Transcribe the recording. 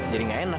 jadi gak enak